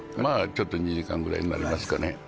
まあちょっと２時間ぐらいになりますかね